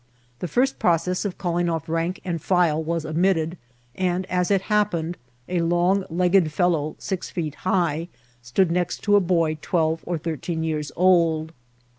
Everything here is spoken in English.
The first process of calling off rank and file was omit* ted ; and, as it happened, a long legged fellow, six feet high, stood next to a boy twelve or thirteen years old.